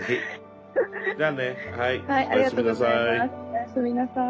おやすみなさい。